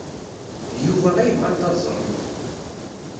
D Yuba ay bɣant ad ẓrent.